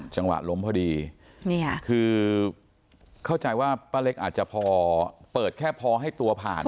จังหวะล้มพอดีคือเข้าใจว่าป้าเล็กอาจจะพอเปิดแค่พอให้ตัวผ่าน